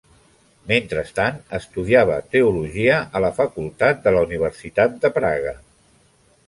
Mentrestant, estudiava teologia a la facultat de la Universitat de Praga.